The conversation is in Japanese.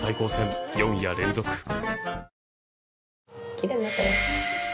きれいになったよ。